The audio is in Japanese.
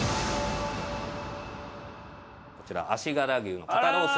こちら足柄牛の肩ロース。